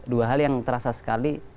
dua hal yang terasa sekali